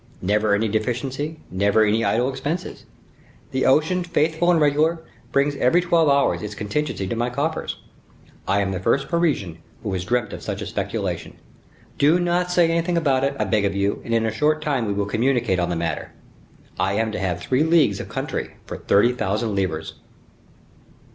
Never any deficiency, never any idle expenses; the ocean, faithful and regular, brings every twelve hours its contingency to my coffers. I am the first Parisian who has dreamt of such a speculation. Do not say anything about it, I beg of you, and in a short time we will communicate on the matter. I am to have three leagues of country for thirty thousand livres."